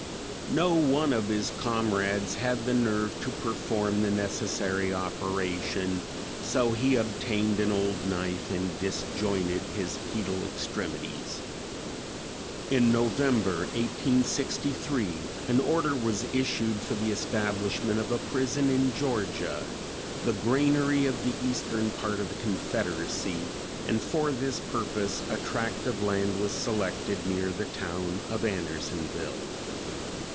No one of his comrades had the nerve to perform the necessary operation, so he obtained an old knife and disjointed his pedal extremities. "In November, 1863, an order was issued for the establishment of a prison in Georgia, the granary of the eastern part of the Confederacy, and for this purpose a tract of land was selected near the town of Andersonville.